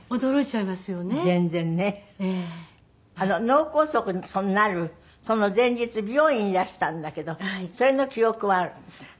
脳梗塞になるその前日美容院にいらしたんだけどそれの記憶はあるんですか？